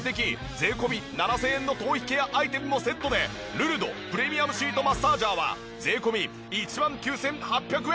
税込７０００円の頭皮ケアアイテムもセットでルルドプレミアムシートマッサージャーは税込１万９８００円。